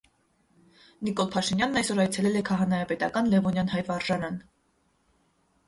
Նիկոլ Փաշինյանն այսօր այցելել է Քահանայապետական Լևոնյան հայ վարժարան։